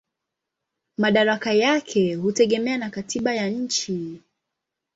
Madaraka yake hutegemea na katiba ya nchi.